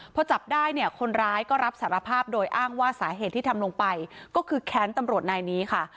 พอจับได้เนี่ยคนร้ายก็รับสารภาพโดยอ้างว่าสาเหตุที่ทำลงไปก็คือแค้นตำรวจนายนี้ค่ะ